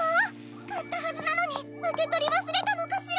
かったはずなのにうけとりわすれたのかしら！？